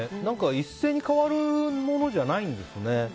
一斉に変わるものじゃないんですね。